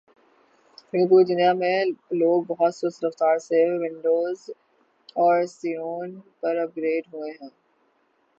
لیکن پوری دنیا میں لوگ بہت سست رفتاری سے ونڈوزایٹ اور سیون پر اپ گریڈ ہوہے ہیں